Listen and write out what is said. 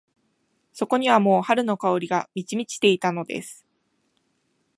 そこにはもう春の香りが満ち満ちていたのです。